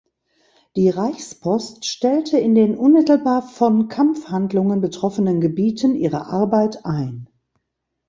Die Reichspost stellte in den unmittelbar von Kampfhandlungen betroffenen Gebieten ihre Arbeit ein.